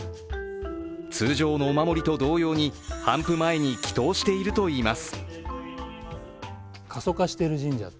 通常のお守りと同様に頒布前に祈とうしているといいます。